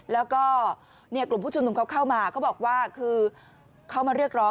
แล้วก็เนี่ยกลุ่มผู้ชุมนุมเขาเข้ามาเขาบอกว่าคือเขามาเรียกร้อง